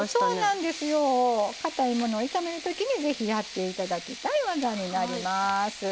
かたいものを炒めるときにぜひやって頂きたい技になります。